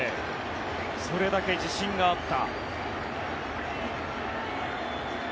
それだけ自信があった。